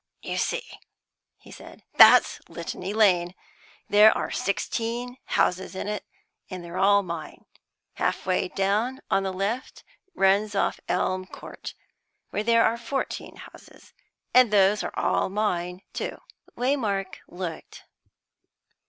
"You see," he said, "that's Litany Lane. There are sixteen houses in it, and they're all mine. Half way down, on the left, runs off Elm Court, where there are fourteen houses, and those are all mine, too." Waymark looked.